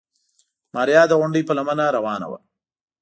ماريا د غونډۍ په لمنه روانه وه.